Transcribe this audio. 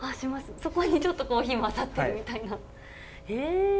そこにちょっとコーヒー混ざってるみたいな。